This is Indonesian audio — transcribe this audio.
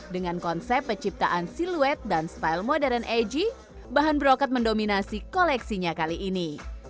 dengan konsep peciptaan siluet dan style modern egy bahan broket mendominasi koleksinya kali ini